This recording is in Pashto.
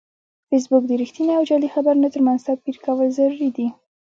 فېسبوک د رښتینې او جعلي خبرونو ترمنځ توپیر کول ضروري دي